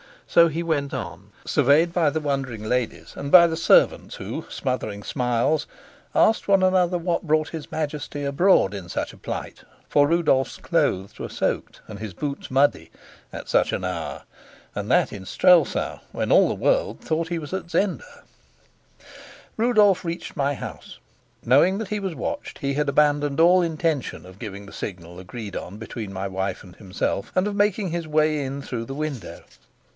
So he went on, surveyed by the wondering ladies, and by the servants who, smothering smiles, asked one another what brought his Majesty abroad in such a plight (for Rudolf's clothes were soaked and his boots muddy), at such an hour and that in Strelsau, when all the world thought he was at Zenda. Rudolf reached my house. Knowing that he was watched he had abandoned all intention of giving the signal agreed on between my wife and himself and of making his way in through the window.